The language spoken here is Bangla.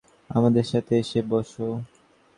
আমাদের সাথে এসে বসো।